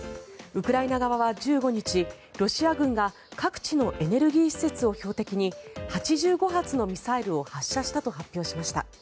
ウクライナ側は１５日ロシア軍が各地のエネルギー施設を標的に８５発のミサイルを発射したと発表しました。